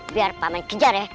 biar paman kejar ya